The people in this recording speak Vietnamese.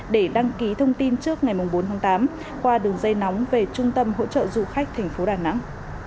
để đăng ký thông tin trước ngày bốn tháng tám qua đường dây nóng về trung tâm hỗ trợ du khách thành phố đà nẵng